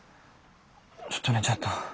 ちょっと寝ちゃった。